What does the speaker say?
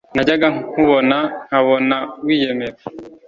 najyaga nkubona nkabona wiyemera